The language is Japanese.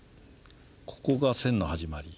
ここが線の始まり。